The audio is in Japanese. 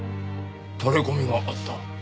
タレコミがあった。